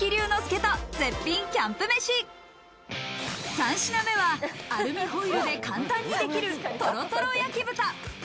３品目はアルミホイルで簡単にできるトロトロ焼き豚。